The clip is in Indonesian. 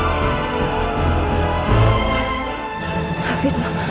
alhamdulillah untuk meng cover biaya rumah sakit masih dibantu